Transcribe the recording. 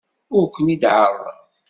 Ur ken-id-ɛerrḍeɣ.